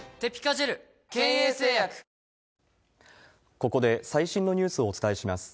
ここで最新のニュースをお伝えします。